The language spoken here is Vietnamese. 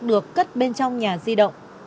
được cất bên trong nhà di động